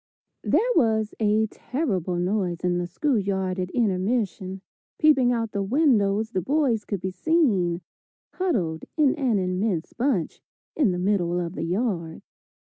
There was a terrible noise in the school yard at intermission; peeping out the windows the boys could be seen huddled in an immense bunch, in the middle of the yard.